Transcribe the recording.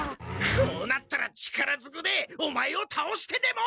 こうなったら力ずくでオマエをたおしてでも！